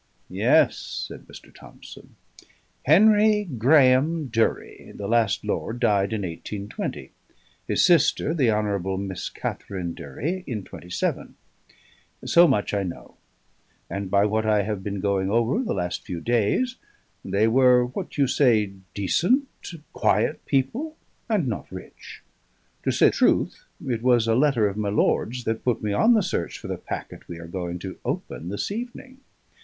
"Yes," said Mr. Thomson. "Henry Graeme Durie, the last lord, died in 1820; his sister, the Honourable Miss Katharine Durie, in 'Twenty seven; so much I know; and by what I have been going over the last few days, they were what you say, decent, quiet people, and not rich. To say truth, it was a letter of my lord's that put me on the search for the packet we are going to open this evening.